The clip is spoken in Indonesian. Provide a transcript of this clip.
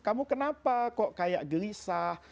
kamu kenapa kok kayak gelisah